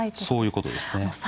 そういうことですね。